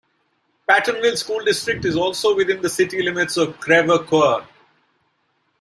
Pattonville School District is also within the city limits of Creve Coeur.